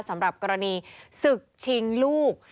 สำหรับกรณีศึกชิงลูก